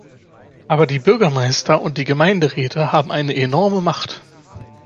Aber die Bürgermeister und die Gemeinderäte haben eine enorme Macht.